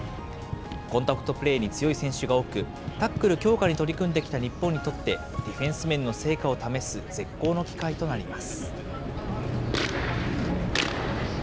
コンタクトプレーに強い選手が多く、タックル強化に取り組んできた日本にとって、ディフェンス面での成果を試す絶好の機会となります。